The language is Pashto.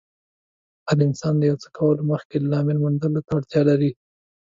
هر انسان د يو څه کولو مخکې د لامل موندلو ته اړتیا لري.